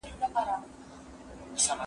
ما پرون د سبا لپاره د ليکلو تمرين وکړ..